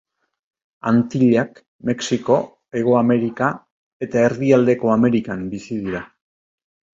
Antillak, Mexiko, Hego Amerika eta Erdialdeko Amerikan bizi dira.